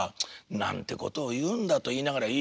「何てことを言うんだ」と言いながら「いいよ分かった。